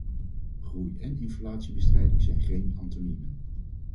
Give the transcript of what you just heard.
Groei en inflatiebestrijding zijn geen antoniemen.